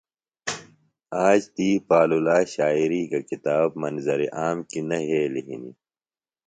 آج تی پالولا شاعری گہ کتاب منظر عام کیۡ نہ یھیلیࣿ ہِنیࣿ۔